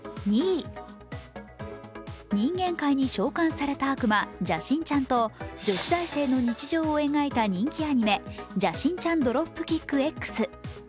人間界に召喚された悪魔邪神ちゃんと女子大生の日常を描いた人気アニメ「邪神ちゃんドロップキックＸ」。